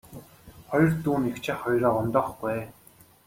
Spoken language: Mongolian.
Хоёр дүү нь эгч ах хоёроо гомдоохгүй ээ.